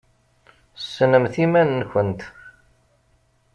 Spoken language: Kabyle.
Ssnemt iman-nkent!